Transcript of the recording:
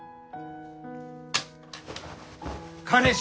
彼氏！